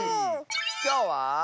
きょうは。